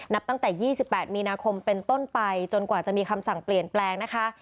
ตั้งแต่๒๘มีนาคมเป็นต้นไปจนกว่าจะมีคำสั่งเปลี่ยนแปลงนะคะ